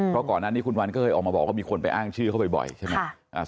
เพราะก่อนหน้านี้คุณวันก็เคยออกมาบอกว่ามีคนไปอ้างชื่อเขาบ่อยใช่ไหม